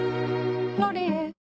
「ロリエ」